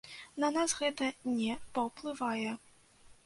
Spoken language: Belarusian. На нас гэта не паўплывае.